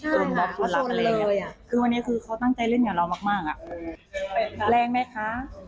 เติมบล็อคพอดีเลยอ่ะคือวันนี้คือเขาตั้งใจเล่นกับเรามากอ่ะแรงไหมคะ